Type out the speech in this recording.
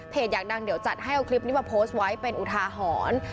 อยากดังเดี๋ยวจัดให้เอาคลิปนี้มาโพสต์ไว้เป็นอุทาหรณ์